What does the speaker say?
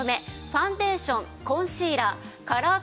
ファンデーションコンシーラーカラー